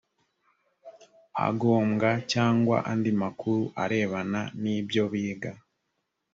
agombwa cyangwa andi makuru arebana n ibyo biga